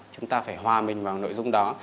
chúng ta phải hòa mình vào nội dung đó